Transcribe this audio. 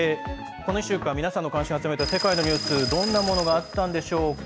この１週間皆さんの関心を集めた世界のニュース、どんなものがあったんでしょうか？